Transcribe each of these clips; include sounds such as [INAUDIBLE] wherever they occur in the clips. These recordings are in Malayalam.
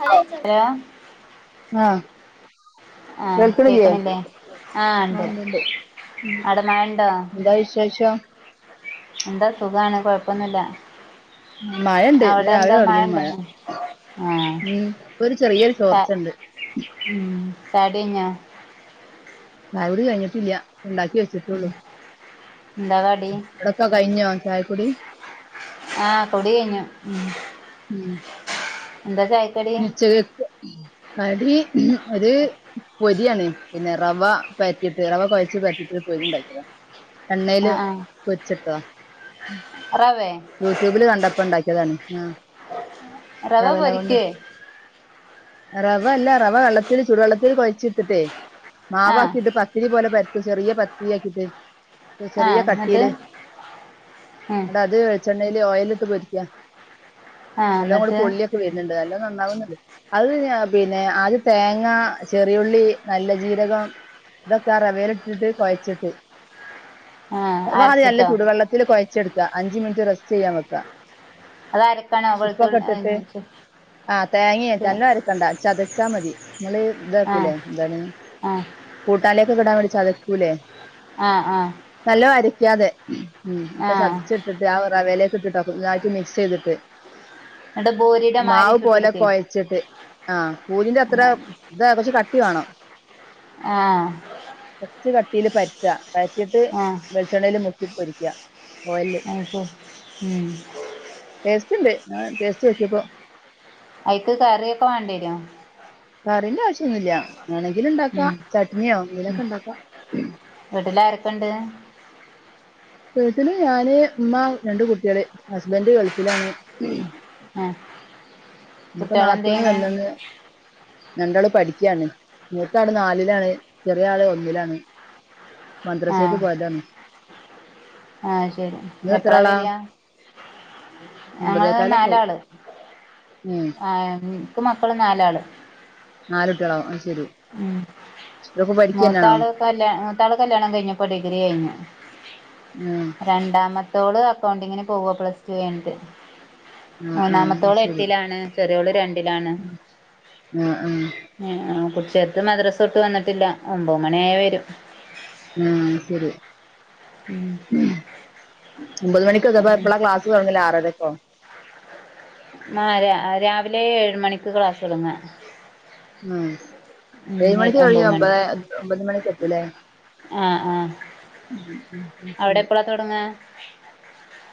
[UNINTELLIGIBLE] ആഹ് ആഹ് കേൾക്കണില്ലേ കേക്കണില്ലേ ആഹ് ഇണ്ട് ഉം എന്താ വിശേഷോ എന്താ സുഖാണ് കൊഴപ്പൊന്നുല്ല മഴണ്ട് ഇന്ന് രാവിലെ തൊടങ്ങിയതാ മഴ ആഹ് ഉം ഒരു ചെറിയൊരു ചാ ചോർച്ചണ്ട് ഉം ചായടി കഞ്ഞാ ചായകുടി കഴിഞ്ഞിട്ടില്ല ഒണ്ടാക്കി വച്ച് ഉം എന്താ കടി അവടൊക്കെ കഴിഞ്ഞോ ചായക്കുടി ആഹ് കുടി കഴിഞ്ഞു ഉം എന്താ ചായക്ക്‌ ഉച്ചക്കെക്ക് കടി ഒരു പൊരിയാണ് പിന്നെ റവ പരത്തിട്ട് റവ കൊഴച്ച് പരത്തിട്ട് പൊരി ഉണ്ടാക്കിതാ എണ്ണേല് ആഹ് ആഹ് പൊരിച്ചെട്ത്തോ റവേ യൂട്യൂബില് കണ്ടപ്പോയിണ്ടാക്കിയതാണ് ഏഹ് റവ പൊരിക്കെ റവ അല്ല റവ വെള്ളത്തിൽ ചുടുവെള്ളത്തിൽ കൊഴച്ചിട്ടിട്ടേ ആഹ് മാവാക്കി ഇത് പത്തിരി പോലെ പരത്തി ചെറിയ പത്തിരി ആക്കിട്ട് ചെറിയ ആഹ് എന്നിട്ട് കട്ടിയില് ഉം ന്നിട്ടത് വെളി ച്ചെണ്ണയില് ഓയിൽ ഇട്ട് പൊരിക്കുക ആഹ് എല്ലാം കൂടി എന്നിട്ട് പൊള്ളിയൊക്കെ വരുന്നുണ്ട് അല്ലോ നന്നാവുന്നുണ്ട് അത് പിന്നെ ആദ്യ തേങ്ങ ചെറിയുള്ളി നല്ല ജീരകം ഇതൊക്കെ റവേലിട്ടിട്ട് കുഴച്ചിട്ട് ആഹ് അപ്പ അത് നല്ല അരച്ചിട്ടോ ചൂടുവെള്ളത്തില് കൊഴച്ച ച്ചെടുക്കുക അഞ്ച് മിനിറ്റ് റസ്റ്റ്‌ ചെയ്യാംവെക്കാ അതരക്കാണാ വെളുത്തുള്ളി [UNINTELLIGIBLE] ആഹ് തേങ്ങ ആഹ് എല്ലാം അരക്കണ്ട ചതച്ചാ മതി നമ്മള് ഇതാക്കൂലേ എന്താണ് ആഹ് കൂട്ടാനിലേക്കെടാന് ചതക്കൂലേ ആഹ് ആഹ് നല്ലോണം അരക്കാതെ അപ്പൊ ആഹ് ചതിച്ചിട്ട ന്നിട്ട റവേലെക്കിട്ടിട്ടു മിക്സ് ചെയ്തിട്ട് ന്നിട്ട് ബോരിയുടെ മാരി ചുട്ട എടുക്ക വച്ചിട്ട് ആഹ് പൂരിന്റെ അത്ര ഇതാ കൊറച്ച് കട്ടി വേണം ആഹ് കൊറച്ച് കട്ടിലി പരത്തുവാ പരത്തിട്ട് ആഹ് വെളിച്ചെണ്ണല് മുക്കി പൊരിക്കുക ഓയിലില് ആക്കും മ്മ് ടേസ്റ്റ്ണ്ട് ടേസ്റ്റ് നോക്കിയപ്പോ അയിക്ക് കറിയൊക്കെ വേണ്ടി വരോ കറിന്റെ ആവശ്യൊന്നുല്ല വേണെങ്കില് ഉണ്ടാക്കാ ചട്നിയോ എങ്ങങ്കിലൊക്കെ ഉണ്ടാക്കാ വീട്ടിലാരൊക്കെയിണ്ട് വീട്ടില് ഞാന് ഉമ്മ രണ്ട് കുട്ടികള് ഹസ്ബൻഡ് ഗൾഫിലാണ് ആഹ് ഇപ്പോ നാത്തൂന് കുട്ടികളെന്തെയ്യ്ണ് വന്നണ്ട് രണ്ടാള് പഠിക്കുകയാണ് മൂത്താള് നാലിലാണ് ചെറിയ ആള് ഒന്നിലാണ് മദ്രസ്സക്കു പോയതാണ് ആഹ്ശരി നിങ്ങൾ എത്ര എപ്പളാ ആളാ വരിക ഞങ്ങള് ഒമ്പതേക്കാലൊക്കെ ആവും നാലാള് ഉം ആഹ് നിക്ക് മക്കള് നാലാള് നാല് കുട്ടികളോ ഐ ശരി ഉം ഇവരൊക്കെ പഠിക്കന്നെയാണോ മൂത്താള് കല്യാ മൂത്താള് കല്യാണം കഴിഞ്ഞപ്പോ ഡിഗ്രി കഴിഞ്ഞു ആഹ് രണ്ടാമത്തോള് അക്കൗണ്ടിങ്ങിന് പോവ പ്ലസ് ടു കയിഞ്ഞിട്ടു ആഹ് ആഹ് അത് മൂന്നാമത്തോള് ശരി എട്ടിലാണ് ചെറിയോള് രണ്ടിലാണ് ആഹ് ആഹ് [UNINTELLIGIBLE] ചേർത് മദ്രസ്സവിട്ടു വന്നിട്ടില്ല ഒമ്പത് മണിയായ വരും ആഹ് ശരി ഒമ്പത് മണിക്ക് അപ്പൊ ഉം എപ്പോളാ ക്ലാസ്സ് ആറരക്കോ ആഹ് രാവിലെ ഏഴ്‌ മണിക്ക ക്ലാസ് തൊടങ്ങ ഉം ഏഴ് മണിക്ക് കഴ ഒമ്പത് മണി ഒമ്പത ഒമ്പത് മണിക്ക് എത്തില്ലേ ആഹ് ആഹ് ഉം ഉം ഉം അവിടെ എപ്പളാ തുടങ്ങ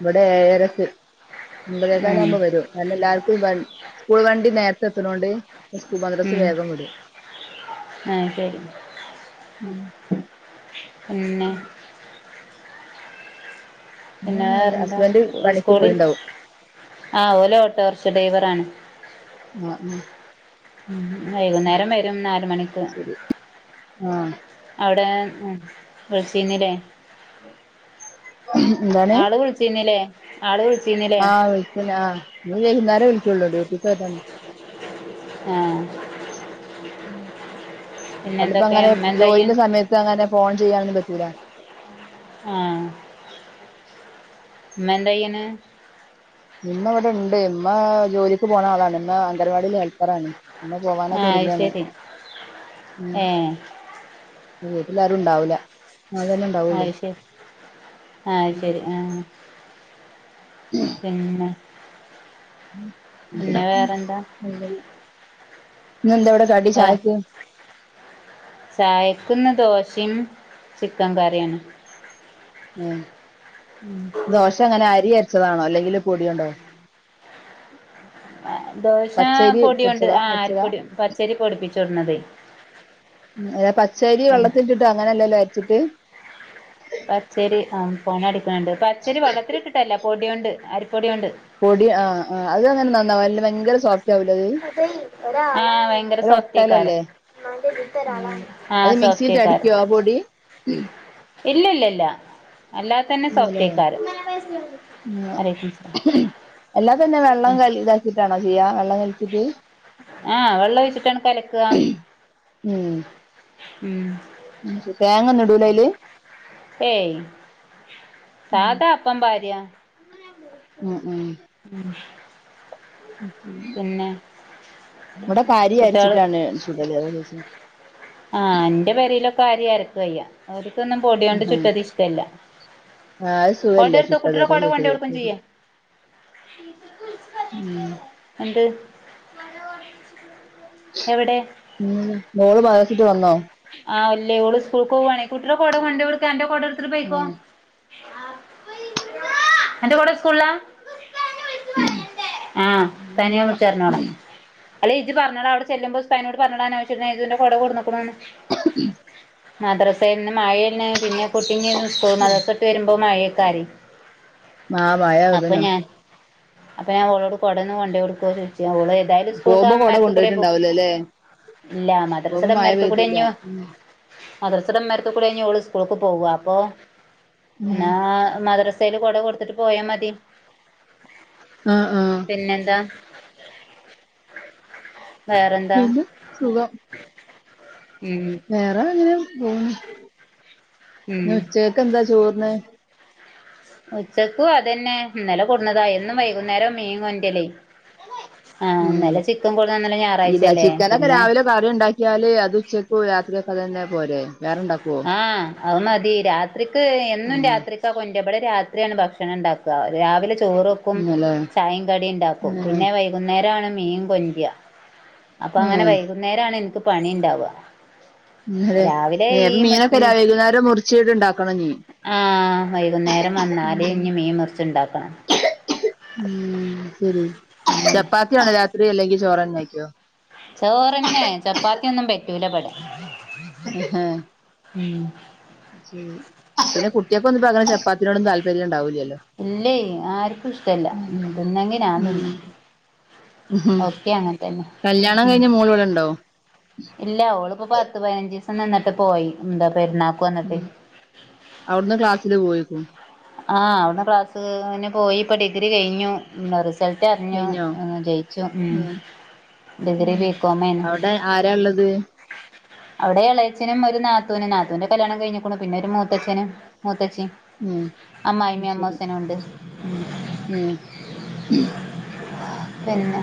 ഇവിടെ ഏഴരക്ക് ഒമ്പതേകാൽ ഉം ആകുമ്പോ വരും നല്ല എല്ലാവർക്കും സ്കൂൾ വണ്ടി നേരത്തെ എത്തണോണ്ട് മദ്രസ ഉം വേഗം വിടും ആഹ് ശരി പിന്നെ പിന്നെ വേറെന്താ ഹസ്ബൻഡ് പണിക്ക് സ്കൂളിൽ പോയിണ്ടാവും ആഹ് ഓലോ ഓട്ടോറിക്ഷ ഡ്രൈവറാണ് ഉം ഉം ഉ വൈകുന്നേരം വരും നാല മണിക്ക് ശരി ആഹ് അവിടെ വിളിച്ചന്നില്ലേ എന്താണ് ആള് വിളിച്ചീന്നില്ലേ ആള് വിളിച്ചിന്ന ആഹ് വിളിക്കൂല ഇനി വൈകും നേരവേ വിളിക്കുള്ളൂ ഡ്യൂട്ടി പോയതാണ്. ആഹ് ഉ പിന്നെ അണ്ടപ്പോ എന്തൊക്കെ അങ്ങനെ ഉമ്മ എന്താ ചെയ്യണ് ജോലിെ സമയത്ത് അങ്ങനെ ഫോൺ ചെയ്യാാനന്നന്ന് പറ്റീലാ ആഹ് ഉമ്മ എന്ത് ചെയ്യാന് ഇമ്മ ഇവിടെ ഉണ്ട് ഇമ്മ ജോലിക്ക് പോകണ ആളാണ് ഇമ്മ അംഗണവാടി ഹെൽപ്പറാണ് ഉമ്മ പോവാനൊക്കെ ആഹ് അത് ഒരുങ്ങാണ് ശരി ഏഹ് ഉ വീട്ടിൽ ആരും ഉണ്ടാവൂില്ല അതന്നെ ഉണ്ടാവുള്ളു അത് ശരി ആഹ് ശരി ആഹ് ഉ പിന്നെ ഇ പിന്നെ വേറെന്താ എന്ത അവിടെ കടി വേ ചായക്ക് ചായക്കിന്ന് ദോശയും ചിക്കൻ കറിയാണ്. ഉ ഉം. ദോശ എങ്ങനെ അരി അരച്ചതാണോ അല്ലെങ്കിൽില് പൊടിയുണ്ടോ ദോശ പച്ചരി പൊടിയുണ്ട് പൊടിച്ചതാ ആ അരച്ചതാ അരിപ്പൊടി പച്ചരി പൊടിപ്പിച്ചോണ്ട് വന്നതേ ഉ അത പച്ചരി വെള്ളത്തി്ിട്ടോ അങ്ങനെല്ലല്ലോ അരച്ചിട്ട് പച്ചരി ആ പൊണ അടിക്കണണ്ട് പച്ചരി വള്ളത്തിൽ ഇട്ടിട്ടല്ല പൊടികൊണ്ട് അരിപ്പൊടികൊണ്ട് പൊടി ആ് അത് അങ്ങനെ നന്നാവുംല്ല ഭയങ്കര സോഫ്റ്റ് ആവൂലേ അത് ആഹ ഭയങ്കര ഒരു സോഫ്റ്റയിക്കാരൻ ഒട്ടലല്ലേ ഉം ആഹ അത് മിക്സിയിലിട്ട് സോഫ്റ്റ്യിക്കാരൻ അടിക്കുവോ ആ പൊടി ഇല്ല ഇല്ല ഇല്ല അല്ലാത്ത ഇല്ലേ വലൈക്കും സലാം എല്ലാ തന്നെ വെള്ളം ക ട്ടാണോ ചെയ്യുക വെള്ളം നനച്ചട്ട് ആഹ് വെള്ളം ഒഴിച്ചിട്ടാണ് കലക്കുക ഉം ഉം തേങ്ങന്ന ഇടൂല അല് ഏയ് സാധാ ഉം അപ്പം ഭാര്യ ഉം ഉം ഉം ഇവിടെ അരി കുട്ടികള് അയച്ചിട്ടാണ് ചൂടൽ ആഹ് എന്റെ പരയിലൊക്കെ അ ര്യംരക്ക വയ്യ അവക്കൊന്നും പൊടിയണ്ട് ചുട്ടതി ഇഷിക്കല്ല ആഹ് കൊട എടുത്ത കുട്ടിയുടെ കൊട കൊണ്ട കൊടുത്തും ചെയ്യ ഉം എന്ത് എവിടെ ഉം മോള് [UNINTELLIGIBLE] വന്നോ ആ ഇല്ലേ ഓള് സ്കൂള്ക്ക്‌ വാണേയ് കുട്ടിടെ കൊട കൊണ്ടെടുക്കേ അന്റെ കൊടട്ത്തിട്ട് പൊയ്ക്കോ അന്റെ കൊട സ്കൂൾലാ ആ തനിയെ പിന്നെന്താ വിൾച്ചർഞ്ഞാള അല്ലെ ഇജ്ജ് പറഞ്ഞട അവിടെ ചെല്ല്പോ ഉസ്താദിനോട് [UNINTELLIGIBLE] ഉം മദ്രസയിൽ നിന്ന് മഴല്ല പിന്നെ കുട്ടിന്ന് [UNINTELLIGIBLE] മദ്രസട്ട് വരുമ്പോ മഴയൊക്കെ ആ മഴ [UNINTELLIGIBLE] അപ്പൊ അതന്നെ ഞാൻ അപ്പൊ ഞാൻ അവളോട് കൊടന്ന് [UNINTELLIGIBLE] എതായാലും സ്കൂൾക്ക പോകുമ്പോ കൊട അമ്മമാർക്ക കൂടെ പോ കൊണ്ടോയിട്ടുണ്ടാവൂലല്ലേ ഇല്ല പോകുമ്പോ മദ്രസയുടെ മഴ അമ്മമാർക്ക കൂടെ പെയ്തില്ല ഇങ്ങ് വാ ഉം മദ്രസയുടെ ഉമ്മറത്ത് കൂടെ ഓള് സ്കൂളക്ക് പോവ അപ്പൊ ഉം [UNINTELLIGIBLE] മദ്രാസ യില് കോട കൊടുത്തിട്ട് പോയാ മതി. ആഹ് ആഹ് പിന്നെ എന്താ പിന്നെ സുഖം ഉം വേറെ അങ്ങനെ പോണ് ഉം പിന്നെ ഉച്ചക്ക് എന്താ ചോറിന്ന് ഉച്ചക്കു അതന്നെ ഇന്നലെ കൊടുന്നതാ എന്നും വൈകുന്നേരാ മീൻ കൊണ്ട്രലേയ് ആഹ് ഉം ഇന്നലെ ചിക്കൻ കൊട്ന്ന് ഇന്നലെ ഇല്ല ഞായറാഴ്ചല്ലേ ചിക്കനൊക്കെ പിന്നെ രാവിലെ കറി ഉണ്ടാക്കിയാല് അത് ഉച്ചക്ക് രാത്രിയക്കെ അതന്നെ പോരെ വേറെണ്ടാക്കു ആഹ് അത് മതി രാത്രിക്ക് എന്നും ഉം രാത്രിക്ക് ട്ടാ കൊണ്ട്ര ബടെ രാത്രിയാണ് ഭക്ഷണണ്ടാക്കാ രാവിലെ ചോറും ക്കും ഇന്നലെ ചായിം കടിണ്ടാക്കും ഏഹ് പിന്നെ വൈകുന്നേരാണ് മീൻ കൊണ്ട്ര അപ്പൊ അങ്ങനെ ഏഹ് വൈകുന്നേരാണ് ഇൻക്ക് പണിണ്ടാവുക ഇന്നലെ രാവിലെ ഏഹ് ഈ അപ്പൊ മീനൊക്കെ മറ്റ് ര വൈകുന്നേരം മുറിച്ചീട്ട് ഉണ്ടാക്കണംഞീ ആഹ് വൈകുന്നേരം വന്നാല് ഞ്ഞി മീൻ മുർച്ച്ണ്ടാക്കണം ഉം ശരി പിന്നെ ചപ്പാത്തിയാണോ രാത്രി അല്ലെങ്കില് ചോറെന്നെ വെക്കോ ചോറെന്നെ ചപ്പാത്തിയൊന്നും പറ്റൂല ഇവിടെ ഹഹ ഉം പിന്നെ കുട്ടിയൊക്കെന്നിപ്പോ അങ്ങനെ ചെപ്പാത്തിനോടും താല്പര്യം ഉണ്ടാവൂലല്ലോ ഇല്ലയ് ആർക്കും ഇഷ്ടല്ല തിന്നെങ്കി ഉം ഞാൻതിന്നും തന്നെ കല്യാണം കഴിഞ്ഞ് മോള് ഇവിടെണ്ടോ ഇല്ലാ ഓളിപ്പോ പത്ത് പതിനഞ്ച് ദിവസം നിന്നിട്ട് പോയി എന്താ പെരുന്നാ. ഉം അവിടുന്ന് ക്ലാസ്സില് പോയിക്കും. ആഹ് അവിട്ന്ന് ക്ലാസ്ന് പോയി ഇപ്പം ഡിഗ്രി കഴിഞ്ഞു [UNINTELLIGIBLE] റിസൾട്ടറിഞ്ഞു കഴിഞ്ഞോ ജയിച്ചു ഏഹ് ഡിഗ്രി ബികോമേയ്ന്നു ആരാള്ളത്. അവിടെ എളയച്ചനും ഒരു നാത്തൂനും നാത്തൂന്റെ കല്യാണം കഴിഞ്ഞേക്കണു പിന്നെ ഒരു മൂത്തച്ഛനും മുത്തച്ചിം ഏഹ് അമ്മായിമ്മീം അമ്മോശനും ഉണ്ട് ഉം പിന്നെ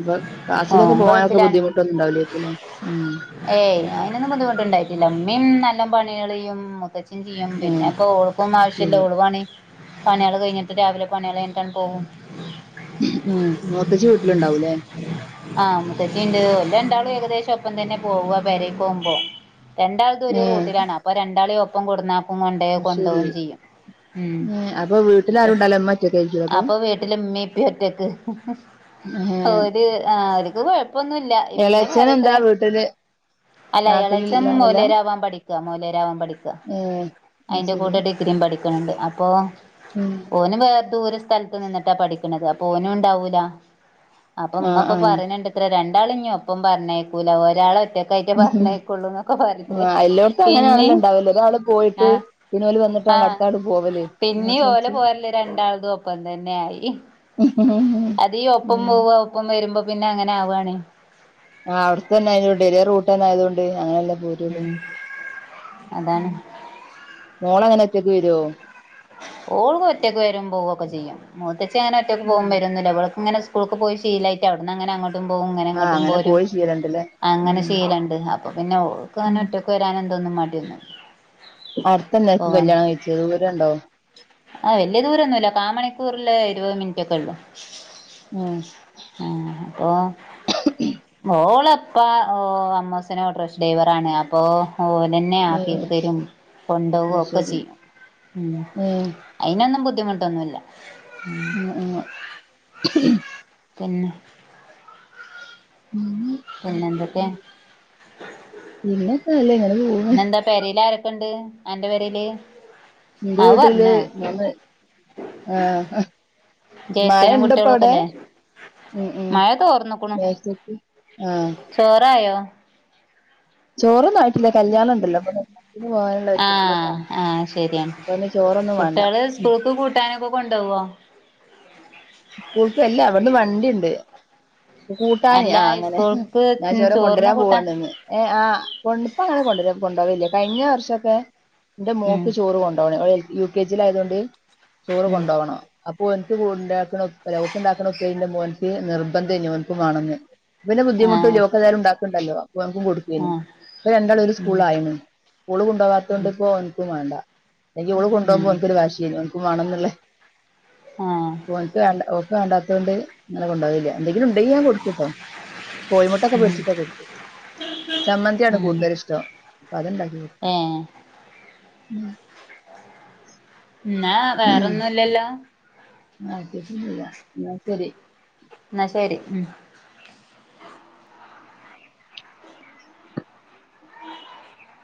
ഇപ്പൊ ഓൻ ക്ലാസ്സിലൊക്കേ പോകാനൊക്കെ ഗൾഫിലാണ് ബുദ്ധിമുട്ട് ഒന്നുംണ്ടാവൂലേയ്ക്കും ഏയ് അയ്നൊന്നും ബുദ്ധിമുട്ടുണ്ടായിട്ടില്ല ഉമ്മീം നല്ല പണികള് ചെയ്യും മൂത്തച്ചി ചെയ്യും ഏഹ് പിന്നെപ്പൊ ഓൾക്കും ശരി ആവശ്യല്ല ഓള് പണി പണിയാള് കഴിഞ്ഞിട്ട് രാവിലെ പണിയാള് കഴഞ്ഞിട്ടാണ്ട് പോകും ഉം മൂത്തച്ചി വീട്ടിലുണ്ടാവൂല്ലേ ആഹ് മുത്തച്ചിണ്ട് ഓര് രണ്ടാളും ഏകദേശം ഒപ്പം തന്നെ പോവാ പെരീക്ക് പോകുമ്പോ രണ്ടാൾതും ഒരു ഏഹ് റൂട്ടിലാണ് അപ്പൊ രണ്ടാളി ഒപ്പ് ഒപ്പം കൊട്ന്നാക്കും കൊണ്ടേയ് അത് കൊണ്ടോവും ചെയ്യും ഉം. വീട്ടിലാരുണ്ടാവൂല ഉമ്മ ഒറ്റ അപ്പൊ വീട്ടിലമ്മീപ്പി ഒറ്റൊക്ക് ഏഹ് ഓല് ഓൽക്ക് കൊഴ് പ്പൊന്നൂല്ല്യ പിന്നെ എളേച്ചൻ എന്താ പറിത്രേ വീട്ടില് അല്ല എളയച്ചൻ നാട്ടിലുള്ള ആളല്ല മോലിയാരാവാൻ പഠിക്കാ മോയിലരാവാൻ പഠിക്ക ഏഹ് അത് അതിന്റെ ശരി കൂടെ ഡിഗ്രി രിം പഠിക്ക്ണ്ണ്ട് അപ്പോ ഉം ഓന് വേറെ ദൂരെ സ്ഥലത്ത് നിന്നിട്ടാ പഠിക്കണത് അപ്പൊ ഓനുണ്ടാവൂല. അപ്പൊമ്മ ആഹ് ഇപ്പൊ ആഹ് പറയന്നുണ്ട്ത്രേ രണ്ടാള ഇനി ഒപ്പം പറഞ്ഞേയുക്കൂല ഒരാളെ കയറ്റി പറഞ്ഞ് ഉം. ആയക്കൊള്ളൂന്നൊക്കെ പറഞ്ഞിട്ട് ആഹ് എല്ലോടത്തും പിന്നെ അങ്ങനെയാണല്ലോ ഉണ്ടാവല് ഒരാള് പോയിട്ട് ആഹ് പിന്നെ ഓല് വന്നിട്ടാണല്ലോ ആഹ് അടുത്താള് പോവല് അതാ പിന്നി ഓലെ ചോദിച്ചേ പോരല് രണ്ടാളതും ഒപ്പം തന്നെ ആയി ഉം അതീ ഒപ്പം പോവാ ഒപ്പം വരുമ്പോ പിന്നെ അങ്ങനെ ആവാണ് ആഹ് അവിട്ത്തന്നെ ആയത് കൊണ്ട് ഒരേ റൂട്ട് തന്നെ ആയതുകൊണ്ട് അങ്ങനെല്ലാം. യൂട്യൂബ് ഉം അതാണ് മോളെങ്ങനാ ഒറ്റക്ക് വരോ ഓള് ഒറ്റക്ക് വരും പോവൊക്കെ ചെയ്യും മൂത്തച്ചി അങ്ങനെ ഒറ്റക്ക് പോകും ഉം വരുവൊന്നു ഇല്ല അവൾക്ക് ഇങ്ങനെ സ്കൂൾക്ക് പോയി ശീലായിറ്റ് അവിട അങ്ങനെങ്ങോ ട്ടും പോവും ഇങ്ങനെ ആഹ് ഇങ്ങോട്ടും അങ്ങനെ പോരും പോയി ശീലണ്ടല്ലേ അങ്ങനെ ഉം ചെയ്യലുണ്ട് അപ്പൊ പിന്നെ ഓൾക്കങ്ങനെ ഉം ഒറ്റക്ക് വരാൻ എന്തൊന്നും മടിയൊന്നുമില്ല അടുത്തന്താ കല്യാണം കഴിച്ചത് ദൂരം ഉണ്ടോ ആ, വലിയ ദൂരൊമൊന്നുമില്ല കാ മണിക്കൂറല്ലെ, ഇരുപത് മിനിറ്റ് ഒക്കെ ഉള്ളു ഉം ഉ അപ്പൊ ഓള് അപ്പം ഓ അമ്മോസിനെ ഓട്ടോറിക്ഷ ഡ്രൈവറാണ് അപ്പോൾ അത്‌ പോലെ തന്നെ ഏഹ് ആക്കിയക്കെ തരും കൊണ്ട് അത് പോകയൊക്കെ ശരി ചെയ്യും ഉം, ഏഹ് അതിനൊന്നും ബുദ്ധിമുട്ടൊന്നുമില്ല ഉം ഉം പിന്നെ ഉം പിന്നെ എന്തൊക്കെയാ പിന്നെന്താ അല്ലേ ഇങ്ങനെ പോണ് പിന്നെന്താ പെരേല് ആരൊക്കെയുണ്ട് അന്റെ പെരയില് എന്റെ വീട്ടില് മൂന്ന് മഴ ജ്യേഷ്ഠനും ഉണ്ട്പ്പൊ കുട്ടികളും അവിടെ ഒക്കെല്ലേ ഉം, ഉം മഴ തോർന്ന്ക്ക്ണു ആ ചോറായോ ചോറന്ന ആയിട്ടില്ല കല്യാണം കല്യാണത്തിന് പോകാനുള്ള ആഹ് ഒരുക്കത്തിലൊക്കാണ് ആഹ് ശരിയാണ് അപ്പ പിന്നെ ചോറൊന്നും വേണ്ട. കുട്ടികള് സ്കൂൾക്ക് കൂട്ടാനൊക്കെ കൊണ്ട് പോവുവോ സ്കൂൾക്ക് അല്ല അവിടുന്ന് വണ്ടി ഉണ്ട് കൂട്ടാനെ, അല്ല ആ അങ്ങനെ സ്കൂൾക്ക് ഞാൻ ചോറ് ചോറിന് കൊണ്ടുവരാൻ കൂട്ടാൻ പോവാണെന്നു ഏ ആ പഇപ്പങ്ങനെ കൊണ്ട് വരും, കൊണ്ട് പോകല്ല കഴിഞ്ഞ വർഷക്കെ എന്റെ ഉം മോക്ക് ചോറ് കൊണ്ടപോകണം, അവള് യു കെ ജി യിൽ ആയതുകൊണ്ട് ചോറ് ഉം കൊണ്ടുപോകണം. അപ്പൊ അവനിക്ക് ഉണ്ടാക്കണ ഉപ്പല, അവന്റെ ഉണ്ടാക്കണ ഉപ്പന്റെ പോലത്തെ നിർബന്ധ ആണ് അവൾക്കു വേണെന്ന്. പിന്നെ ബുദ്ധിമുട്ടില്ല, ആഹ് അവക്ക് എതായാലും ഉണ്ടാക്കുന്നുണ്ടല്ലോ, അപ്പ അവക്കും കൊടുക്കയരുന്നു ആഹ് അപ്പൊ രണ്ടാളും ഒരേ സ്കൂൾ ഉം ആയല്ലോ ഓള് കൊണ്ടോവാത്തോണ്ട് ഇപ്പോ എനിക്ക് വേണ്ട, അല്ലെ ഓള് കൊണ്ട് ഉം പോകുമ്പോ വാശിയായിരുന്നു എനിക്ക് വേണം എന്നല്ലേ ആഹ് ഓക്കെ ഓക്കെ വേണ്ടാത്തോണ്ട് കൊണ്ട് പോയില്ല എന്തെങ്കിലും കൊടുത്തുട്ടോ കോഴമുട്ടയൊക്കെ ഉം പൊരിച്ചിട്ടോ കൊടുക്കട്ടോ ചമ്മന്തിയാണ് കൂടുതല് ഇഷ്ടം അപ്പൊ അത്ണ്ടാക്കി ആഹ് ഉം എന്നാ വേറെൊന്നുംല്ലല്ലോ പ്രത്യേകിച്ചൊന്നുല്ല, ആ ശരി എന്ന ശരി ഉം ഉം